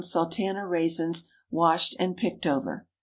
sultana raisins, washed and picked over.